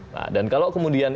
nah dan kalau kemudian